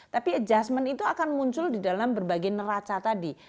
tapi adjustment itu akan muncul di dalam berbagai neraca tadi